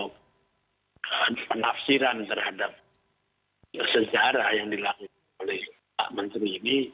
karena penafsiran terhadap sejarah yang dilakukan oleh pak menteri ini